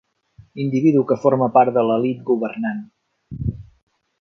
Individu que forma part de l'elit governant.